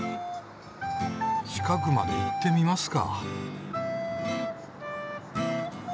近くまで行ってみますか。